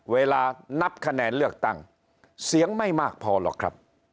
เวลานับคะแนนเลือกตั้งเสียงไม่มากพอหรอกครับ